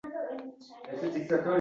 Sen – quyoshni sogʼingan bogʼning